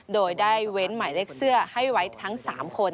โดยได้เว้นหมายเลขเสื้อให้ไว้ทั้ง๓คน